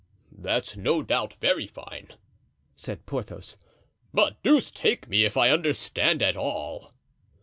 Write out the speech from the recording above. "That's no doubt very fine," said Porthos; "but deuce take me if I understand at all."